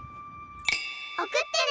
おくってね！